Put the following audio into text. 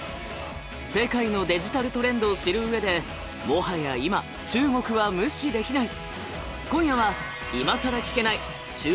世界のデジタルトレンドを知る上でもはや今中国は無視できない！